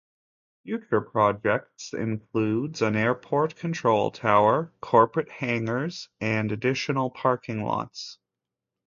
Future projects includes an airport control tower, corporate hangars, and additional parking lots.